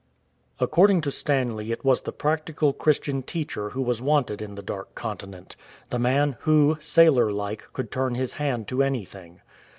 "" According to Stanley it was the practical Christian teacher who was wanted in the Dark Continent — the man who, sailor like, could turn his hand to anything.